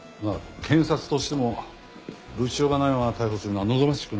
検察としても物証がないまま逮捕するのは望ましくない。